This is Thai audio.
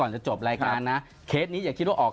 โดยเฉพาะเคสนี้ล่ะครับ